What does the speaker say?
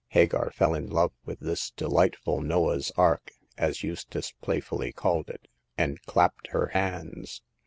Hagar fell in love with this delightful Noah's ark — as Eustace playfully called it — and clapped her hands.